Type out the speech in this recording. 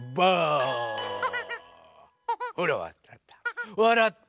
ほらわらった。